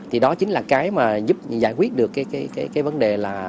thì đó chính là cái mà giúp giải quyết được cái vấn đề là cái hạ tầng